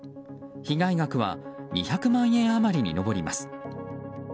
被害額は２００万円余りに上ります。